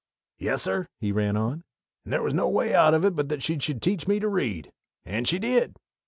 "Yes, sir," he ran on, "and there was no way out of it but that she should teach me to read. _And she did!